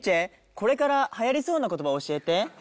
これから流行りそうな言葉を教えて。